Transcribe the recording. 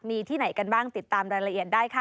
มีที่ไหนกันบ้างติดตามรายละเอียดได้ค่ะ